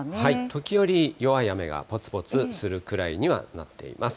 時折弱い雨がぽつぽつするくらいにはなっています。